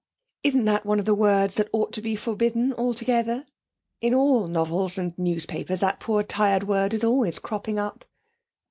Isn't that one of the words that ought to be forbidden altogether? In all novels and newspapers that poor, tired word is always cropping up.'